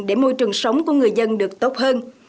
để môi trường sống của người dân được phát triển